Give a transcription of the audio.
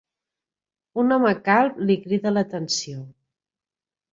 Un home calb li crida l'atenció.